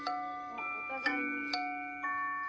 お互いに。